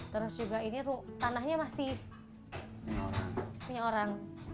terus juga ini tanahnya masih punya orang